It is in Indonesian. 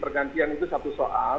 bergantian itu satu soal